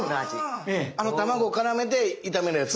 あの卵からめて炒めるやつ？